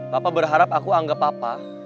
papa berharap aku anggap papa